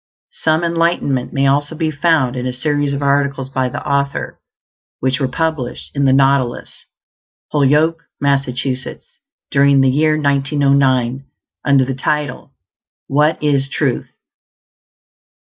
Some enlightenment may also be found in a series of articles by the author, which were published in The Nautilus, Holyoke, Mass., during the year 1909, under the title, "What Is Truth?"